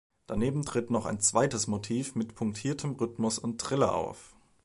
Daneben tritt noch ein zweites Motiv mit punktiertem Rhythmus und Triller auf.